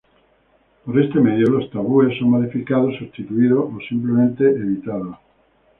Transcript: Por este medio, los tabúes son modificados, sustituidos o simplemente evitados.